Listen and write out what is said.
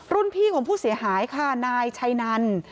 พี่ของผู้เสียหายค่ะนายชัยนัน